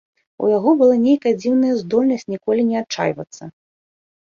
У яго была нейкая дзіўная здольнасць ніколі не адчайвацца.